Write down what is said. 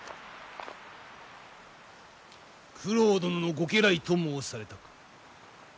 九郎殿のご家来と申されたか。